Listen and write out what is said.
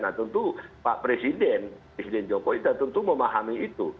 nah tentu pak presiden jokowi itu tentu memahami itu